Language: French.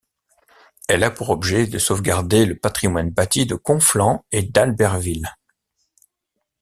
Elle a pour objet de sauvegarder le patrimoine bâti de Conflans et d'Albertville.